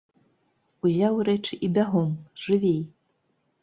Узяў рэчы і бягом, жывей!!!